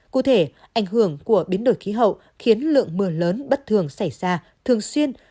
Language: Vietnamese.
cụ thể ảnh hưởng của biến đổi khí hậu khiến lượng mưa lớn bất thường xảy ra thường xuyên